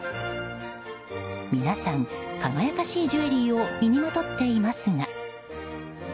皆さん、輝かしいジュエリーを身にまとっていますが。